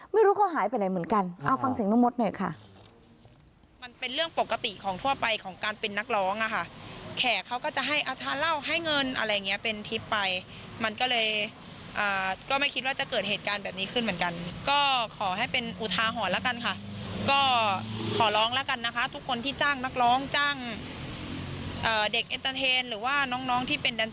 ไม่รู้เขาหายไปไหนเหมือนกัน